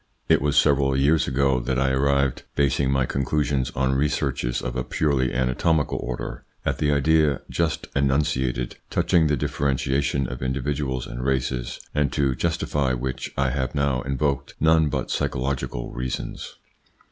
It was several years ago that I arrived, basing my conclusions on researches of a purely anatomical order, at the idea just enunciated touching the differ entiation of individuals and races, and to justify which I have now invoked none but psychological reasons.